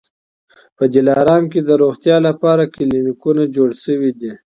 په دلارام کي د روغتیا لپاره کلینیکونه جوړ سوي دي